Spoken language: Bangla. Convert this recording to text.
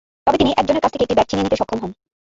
তবে তিনি একজনের কাছ থেকে একটি ব্যাগ ছিনিয়ে নিতে সক্ষম হন।